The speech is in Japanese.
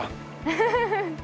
ウフフフフ。